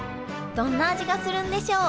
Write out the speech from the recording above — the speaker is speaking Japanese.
どんな味がするんでしょう？